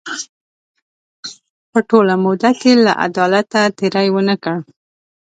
په ټوله موده کې له عدالته تېری ونه کړ.